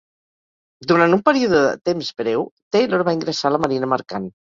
Durant un període de temps breu, Taylor va ingressar a la Marina mercant.